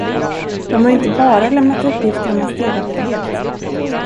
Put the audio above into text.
De har inte bara lämnat uppgifter om hans delaktighet.